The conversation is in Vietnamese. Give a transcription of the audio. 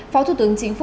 phó thủ tướng chính phủ